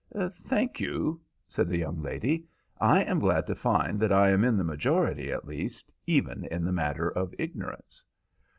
"Thank you," said the young lady, "I am glad to find that I am in the majority, at least, even in the matter of ignorance."